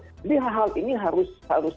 jadi hal hal ini harus